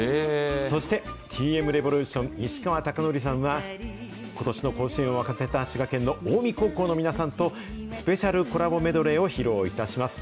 そして、Ｔ．Ｍ．Ｒｅｖｏｌｕｔｉｏｎ・西川貴教さんは、ことしの甲子園を沸かせた滋賀県の近江高校の皆さんとスペシャルコラボメドレーを披露いたします。